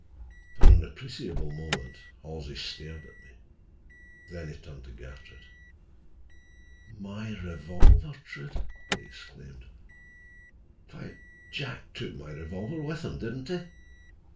For an appreciable moment Halsey stared at me. Then he turned to Gertrude. "My revolver, Trude!" he exclaimed. "Why, Jack took my revolver with him, didn't he?"